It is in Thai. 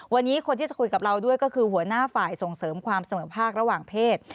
วันนี้คนที่จะคุยกับเราด้วยก็คือหัวหน้าฝ่ายส่งเสริมความเสมอภาคระหว่างเพศ